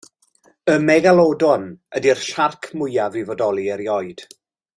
Y megalodon ydi'r siarc mwyaf i fodoli erioed.